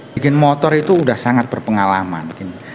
bikin motor itu sudah sangat berpengalaman